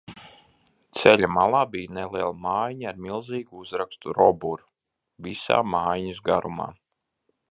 "Ceļa malā bija neliela mājiņa ar milzīgu uzrakstu "Robur", visā mājiņas garumā."